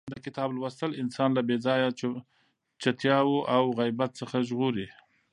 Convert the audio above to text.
د کتاب لوستل انسان له بې ځایه چتیاو او غیبت څخه ژغوري.